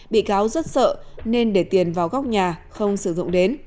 bị cáo rất sợ nên để tiền vào góc nhà không sử dụng đến